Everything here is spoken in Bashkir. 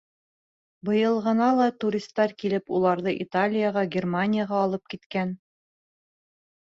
Быйыл ғына ла туристар килеп уларҙы Италияға, Германияға алып киткән.